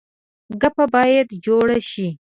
ګپه باید جوړه شي.